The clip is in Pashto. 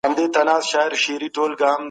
سپوږشانه